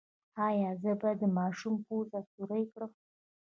ایا زه باید د ماشوم پوزه سورۍ کړم؟